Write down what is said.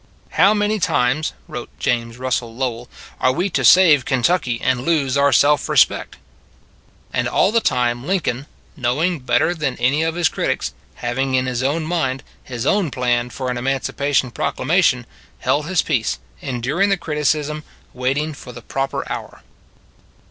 " How many times, wrote James Rus sell Lowell, are we to save Kentucky and lose our self respect? And all the time Lincoln, knowing better than any of his critics, having in his own mind his own plan for an Emancipation Proclamation, held his peace, enduring the criticism, waiting for the proper hour.